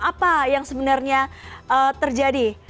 apa yang sebenarnya terjadi